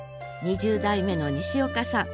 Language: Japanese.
２０代目の西岡さん